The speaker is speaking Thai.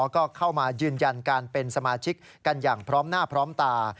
ก็เข้ามายืนยันการเป็นสมาชิกกันอย่างพร้อมหน้าพร้อมตา